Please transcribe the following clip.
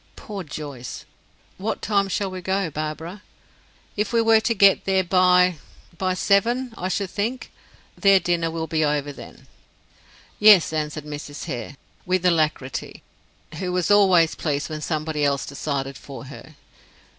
Poor Joyce! What time shall we go, Barbara?" "If we were to get there by by seven, I should think; their dinner will be over then." "Yes," answered Mrs. Hare, with alacrity, who was always pleased when somebody else decided for her.